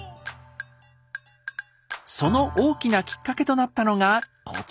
その大きなきっかけとなったのがこちら。